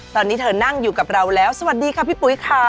ตอนนี้เธอนั่งอยู่กับเราแล้วสวัสดีค่ะพี่ปุ๋ยค่ะ